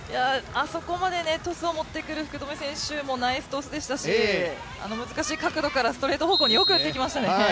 あそこまでトスを持ってくる福留選手もナイストスでしたし、あの難しい角度からストレート方向によく打っていきましたね。